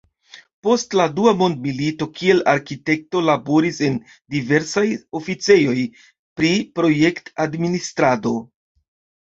Post la dua mondmilito kiel arkitekto laboris en diversaj oficejoj pri projekt-administrado.